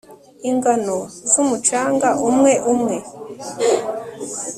Ingano zumucanga umwe umwe